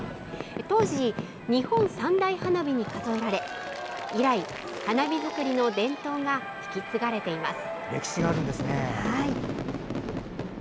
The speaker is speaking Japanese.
当時、日本三大花火に数えられ以来、花火づくりの伝統が引き継がれています。